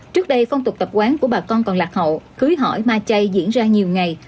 trước đây phong tục tập quán của bà con còn lạc hậu cưới hỏi ma chay diễn ra nhiều ngày